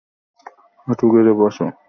হাঁটু গেড়ে বস!